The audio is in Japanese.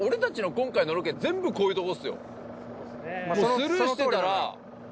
スルーしてたら。